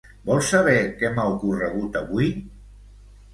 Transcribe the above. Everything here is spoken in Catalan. Vols saber què m'ha ocorregut avui?